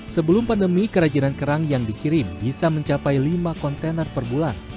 sebelum pandemi kerajinan kerang yang dikirim bisa mencapai lima kontainer per bulan